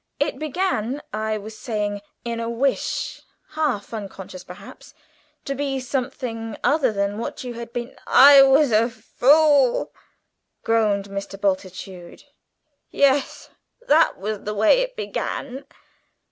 It began, I was saying, in a wish, half unconscious perhaps, to be something other than what you had been " "I was a fool," groaned Mr. Bultitude, "yes, that was the way it began!"